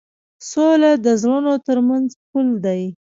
سوله د زړونو تر منځ پُل دی.